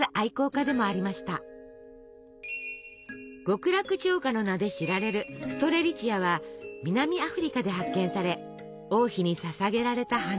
「極楽鳥花」の名で知られるストレリチアは南アフリカで発見され王妃にささげられた花。